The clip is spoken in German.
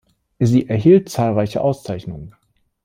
Sie erhielt zahlreiche Auszeichnungen.